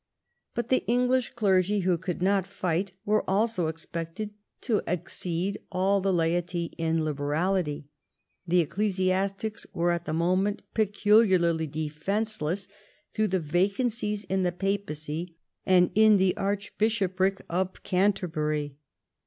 But the English clergy, who could not fight, were also expected to exceed all the laity in liberality. The ecclesiastics were at the moment peculiarly defenceless through the vacancies in the papacy and in the archbishopric of Canterbury.